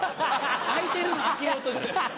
開いてるの開けようとして。